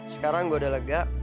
sekarang gue udah lega